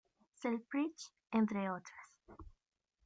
Selfridge, entre otras.